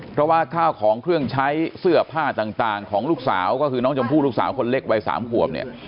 เพราะว่าข้าวของเครื่องใช้เสื้อผ้าต่างของลูกสาวก็คือน้องชมพู่ลูกสาวคนเล็กวัย๓ขวบเนี่ย